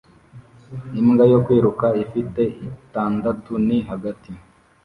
Imbwa yo kwiruka ifite itandatu ni hagati